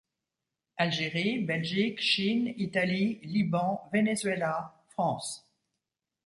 Algérie, Belgique, Chine, Italie, Liban, Venezuela, France.